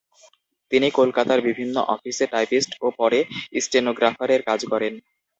তিনি কলকাতার বিভিন্ন অফিসে টাইপিস্ট ও পরে স্টেনোগ্রাফারের কাজ করেন।